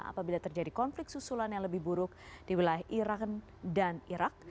apabila terjadi konflik susulan yang lebih buruk di wilayah iran dan irak